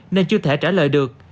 nên chưa thể trả lời được